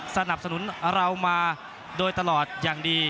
สนับสนุนเรามาโดยตลอดอย่างดี